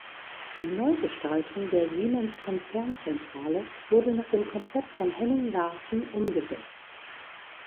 Die Neugestaltung der Siemens-Konzernzentrale wurde nach dem Konzept von Henning Larsen umgesetzt.